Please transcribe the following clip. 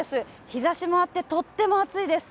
日ざしもあってとっても暑いです。